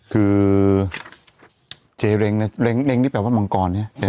คือเจเร็งนี่แปลว่ามังกรเนี่ย